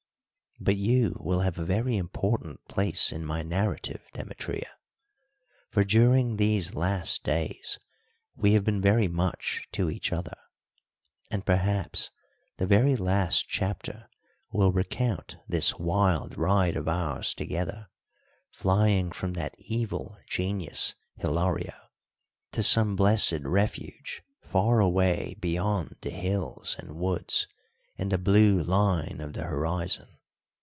But you will have a very important place in my narrative, Demetria, for during these last days we have been very much to each other. And perhaps the very last chapter will recount this wild ride of ours together, flying from that evil genius Hilario to some blessed refuge far away beyond the hills and woods and the blue line of the horizon.